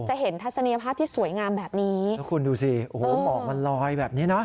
จะเห็นทัศนียภาพที่สวยงามแบบนี้แล้วคุณดูสิโอ้โหหมอกมันลอยแบบนี้นะ